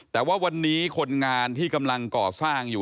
แต่ว่าวันนี้คนงานที่กำลังก่อสร้างอยู่